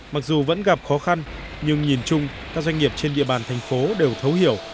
mặc dù vẫn gặp khó khăn nhưng nhìn chung các doanh nghiệp trên địa bàn thành phố đều thấu hiểu